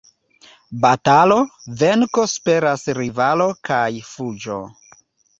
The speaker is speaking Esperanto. Batalo, venko super rivalo kaj fuĝo.